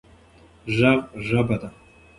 ږغ ژبه ده